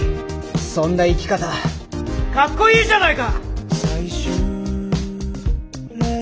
そんな生き方かっこいいじゃないか！